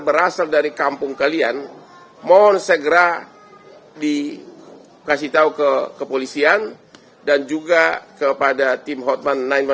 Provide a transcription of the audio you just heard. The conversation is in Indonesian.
berasal dari kampung kalian mohon segera dikasih tahu ke kepolisian dan juga kepada tim hotman